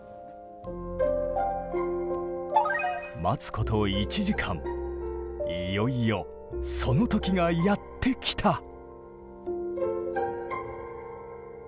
待つこと１時間いよいよその時がやって来た。